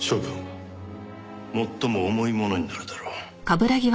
最も重いものになるだろう。